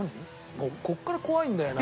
もうここから怖いんだよな